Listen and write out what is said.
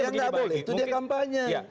yang nggak boleh itu dia kampanye